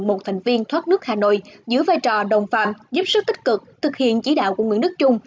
một thành viên thoát nước hà nội giữ vai trò đồng phạm giúp sức tích cực thực hiện chỉ đạo của nguyễn đức trung